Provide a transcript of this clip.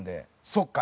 そっか。